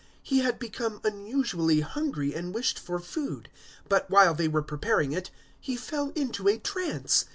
010:010 He had become unusually hungry and wished for food; but, while they were preparing it, he fell into a trance.